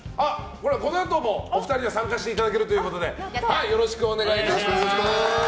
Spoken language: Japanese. このあともお二人には参加していただけるということでよろしくお願いいたします。